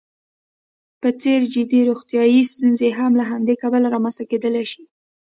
په څېر جدي روغیتايي ستونزې هم له همدې کبله رامنځته کېدلی شي.